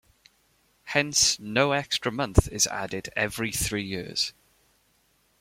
Hence no extra month is added every three years.